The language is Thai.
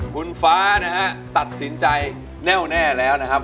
คุณฟ้านะฮะตัดสินใจแน่วแน่แล้วนะครับ